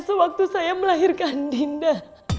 sewaktu saya melahirkan dinda